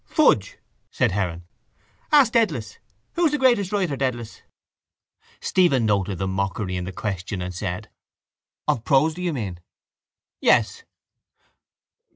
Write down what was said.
—Fudge! said Heron. Ask Dedalus. Who is the greatest writer, Dedalus? Stephen noted the mockery in the question and said: —Of prose do you mean? —Yes.